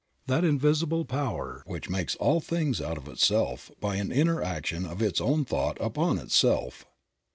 That invisible power which makes all things out of Itself, by an inner action of its own thought upon Itself.